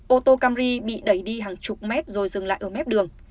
ô tô camry bị đẩy đi hàng chục mét rồi dừng lại ở mép đường